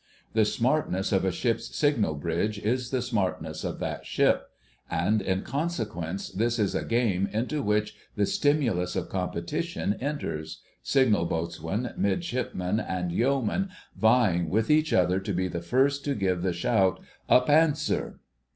The smartness of a ship's signal bridge is the smartness of that ship, and in consequence this is a game into which the stimulus of competition enters, Signal Boatswain, Midshipmen, and Yeomen vying with each other to be the first to give the shout, "Up Answer!"